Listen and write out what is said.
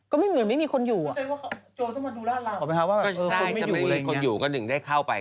ก็ไม่เหมือนไม่มีคนอยู่อ่ะก็ไม่เหมือนไม่มีคนอยู่กันยังได้เข้าไป